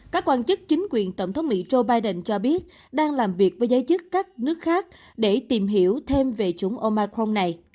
các quan chức chính quyền tổng thống mỹ joe biden cho biết đang làm việc với giới chức các nước khác để tìm hiểu thêm về chủng omicron này